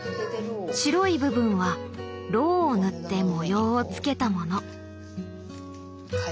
白い部分はろうを塗って模様をつけたもの。